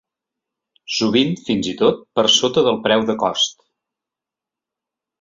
Sovint, fins i tot, per sota del preu de cost.